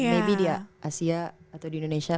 maybe di asia atau di indonesia